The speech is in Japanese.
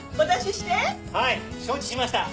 はい承知しました！